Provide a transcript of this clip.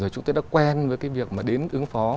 chúng tôi đã quen với cái việc mà đến ứng phó